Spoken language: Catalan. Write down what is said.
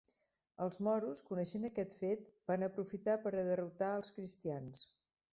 Els moros, coneixent aquest fet, van aprofitar per a derrotar els cristians.